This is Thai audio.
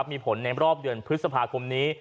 มีผลในรอบเดือนพฤษภาคมนี้